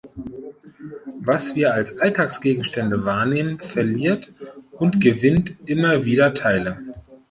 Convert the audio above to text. Was wir als Alltagsgegenstände wahrnehmen, verliert und gewinnt immer wieder Teile.